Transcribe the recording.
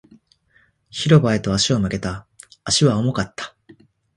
広場へと足を向けた。足は重かった。